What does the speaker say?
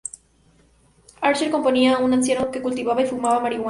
Anchart componía a un anciano que cultivaba y fumaba marihuana.